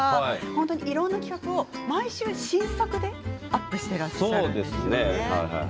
いろいろな企画を毎週新作でアップしていらっしゃるんですよね。